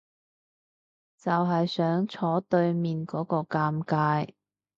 就係想坐對面嗰個尷尬